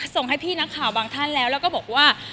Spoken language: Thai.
ส่งให้พี่นักข่าวบางท่านแล้วแล้วก็บอกว่า